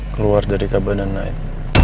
keluar dari kebadan naik